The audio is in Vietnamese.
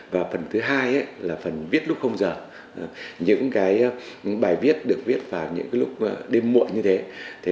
và phần thứ hai là phần viết lúc giờ những bài viết được viết vào những lúc đêm muộn như thế